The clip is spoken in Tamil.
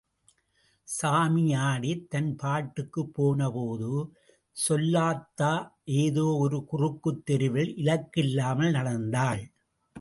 சாமியாடி, தன் பாட்டுக்குப்போன போது செல்லாத்தா ஏதோ ஒரு குறுக்குத் தெருவில் இலக்கு இல்லாமல் நடந்தாள்.